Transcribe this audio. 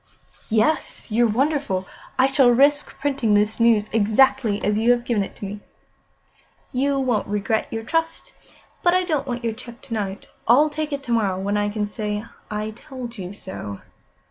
"Yes. You're wonderful. I shall risk printing the news exactly as you have given it to me." "You won't regret your trust. But I don't want your cheque to night. I'll take it to morrow, when I can say: 'I told you so.